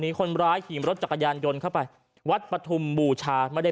มีคนร้ายขี่รถจักรยานยนต์เข้าไปวัดปฐุมบูชาไม่ได้